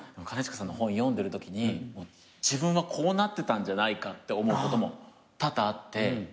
兼近さんの本読んでるときに自分はこうなってたんじゃないかって思うことも多々あって。